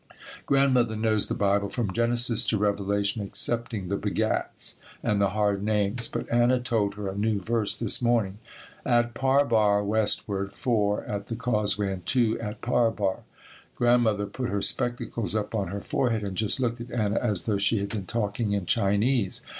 Grandmother knows the Bible from Genesis to Revelation excepting the "begats" and the hard names, but Anna told her a new verse this morning, "At Parbar westward, four at the causeway and two at Parbar." Grandmother put her spectacles up on her forehead and just looked at Anna as though she had been talking in Chinese.